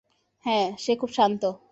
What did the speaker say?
হ্যাঁ, সে খুব শান্ত।